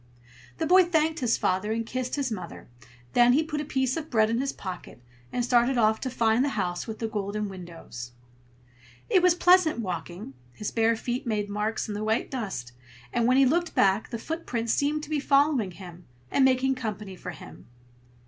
The boy thanked his father and kissed his mother; then he put a piece of bread in his pocket, and started off to find the house with the golden windows. It was pleasant walking. His bare feet made marks in the white dust, and when he looked back, the footprints seemed to be following him, and making company for him.